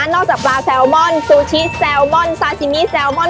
จากปลาแซลมอนซูชิแซลมอนซาซิมีแซลมอน